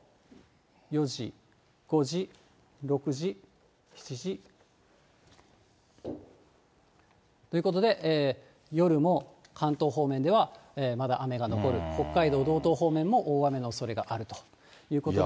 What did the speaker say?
４時、５時、６時、７時、ということで、夜も関東方面ではまだ雨が残る、北海道道東方面も大雨のおそれがあるということで。